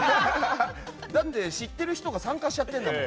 だって知ってる人が参加しちゃってるんだもん。